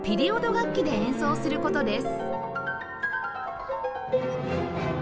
楽器で演奏する事です